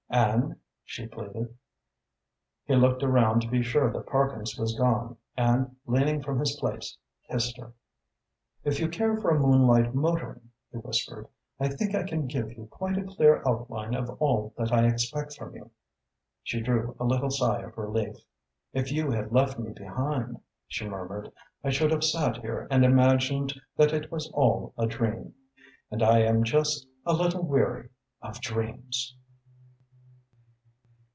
"And?" she pleaded. He looked around to be sure that Parkins was gone and, leaning from his place, kissed her. "If you care for moonlight motoring," he whispered, "I think I can give you quite a clear outline of all that I expect from you." She drew a little sigh of relief. "If you had left me behind," she murmured, "I should have sat here and imagined that it was all a dream. And I am just a little weary of dreams."